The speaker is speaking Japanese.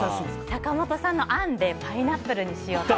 坂本さんの案でパイナップルにしようって。